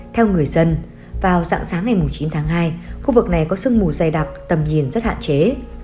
theo người dân vào dạng sáng ngày chín tháng hai khu vực này có sương mù dày đặc tầm nhìn rất hạn chế